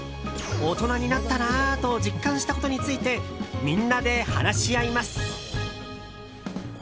大人になったなと実感したことについてみんなで話し合います。